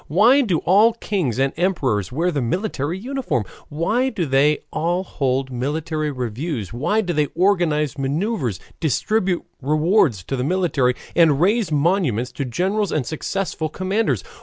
Why do all kings and emperors wear the military uniform? Why do they all hold military reviews, why do they organize maneuvers, distribute rewards to the military, and raise monuments to generals and successful commanders?